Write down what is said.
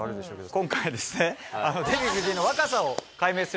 今回ですね。